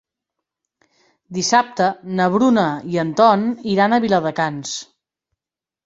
Dissabte na Bruna i en Ton iran a Viladecans.